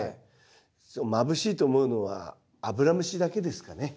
それまぶしいと思うのはアブラムシだけですかね。